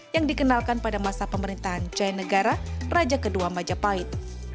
yang dikenalkan pada masa pemerintahan jainegara raja kedua majapahit